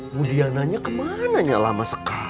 mudiananya kemananya lama sekali